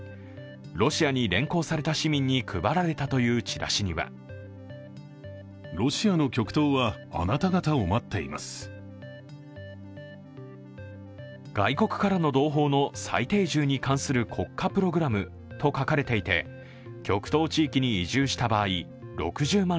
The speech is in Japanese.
ロシアに連行された市民に配られたというチラシには外国からの同胞の再定住に関する国家プログラムと書かれていて極東地域に移住した場合６０万